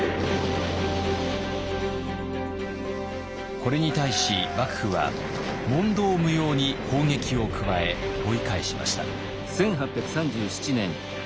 これに対し幕府は問答無用に砲撃を加え追い返しました。